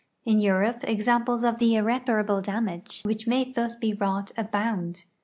In Europe examples of the irreparable damage which may thus be wrought abound.